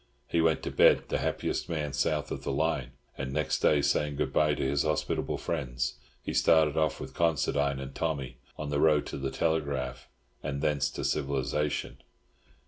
He went to bed the happiest man south of the line; and next day, saying good bye to his hospitable friends, he started off with Considine and Tommy on the road to the telegraph, and thence to civilisation.